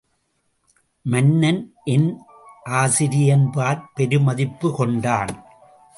மன்னன் என் ஆசிரியன்பாற் பெருமதிப்புக் கொண்டான்.